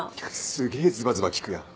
すげぇズバズバ聞くやん。